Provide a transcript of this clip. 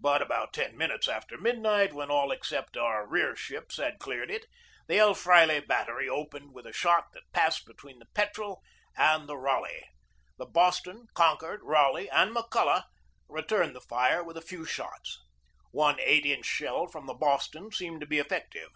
But about ten minutes after midnight, when all except our rear ships had cleared it, the El Fraile battery opened 2io GEORGE DEWEY with a shot that passed between the Petrel and the Raleigh. The Boston, Concord, Raleigh, and Mc Culloch returned the fire with a few shots. One 8 inch shell from the Boston seemed to be effective.